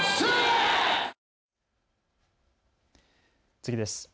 次です。